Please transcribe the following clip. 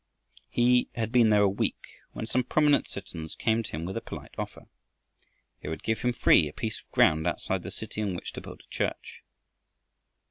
He had been there a week when some prominent citizens came to him with a polite offer. They would give him free a piece of ground outside the city on which to build a church.